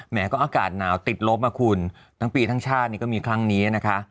ก็อากาศหนาวติดลบอ่ะคุณทั้งปีทั้งชาตินี่ก็มีครั้งนี้นะคะ